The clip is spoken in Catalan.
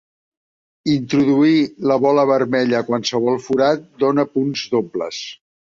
Introduir la bola vermella a qualsevol forat dona punts dobles.